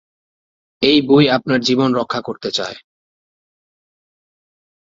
এই বই আপনার জীবন রক্ষা করতে চায়।